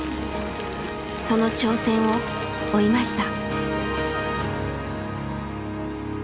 その挑戦を追いました。